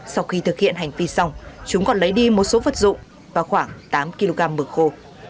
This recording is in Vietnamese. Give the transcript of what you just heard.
sau khi thực hiện hành vi xong chúng còn lấy đi một số vật dụng và khoảng tám kg bực khô